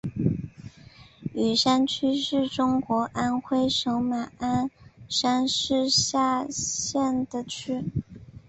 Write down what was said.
雨山区是中国安徽省马鞍山市下辖的区。